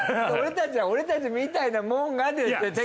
俺たちは俺たちみたいなもんがって。